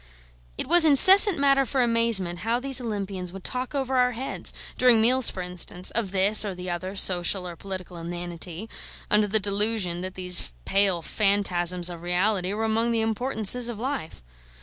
It was incessant matter for amazement how these Olympians would talk over our heads during meals, for instance of this or the other social or political inanity, under the delusion that these pale phantasms of reality were among the importances of life.